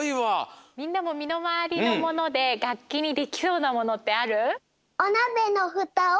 みんなもみのまわりのものでがっきにできそうなものってある？